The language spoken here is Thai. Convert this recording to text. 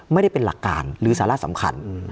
ไม่ได้เป็นหลักการหรือสาระสำคัญ